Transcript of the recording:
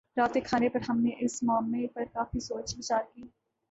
رات کے کھانے پر ہم نے اس معمے پر کافی سوچ بچار کی